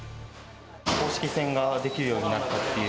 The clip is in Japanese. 公式戦ができるようになったっていう。